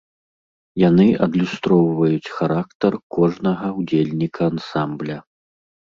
Яны адлюстроўваюць характар кожнага ўдзельніка ансамбля.